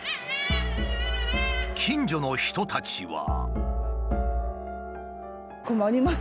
近所の人たちは。